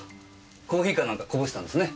コーヒーかなんかこぼしたんですね。